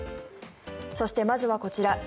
そして、まずはこちら。